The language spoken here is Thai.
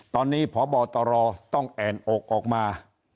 ตอนนี้พบตรต้องแอ่นอกออกมา